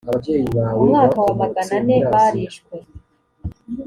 mu mwaka wa magana ane barishwe